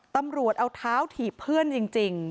ตำรวจเอาเท้าถีบเพื่อนจริง